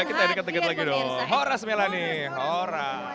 kita deket deket lagi dong horas melani horas